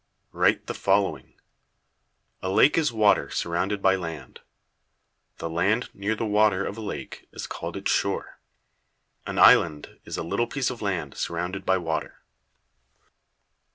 Write the following: A lake is water surrounded by land. The land near the water of a lake is called its shore. An island is a little piece of land surrounded by water.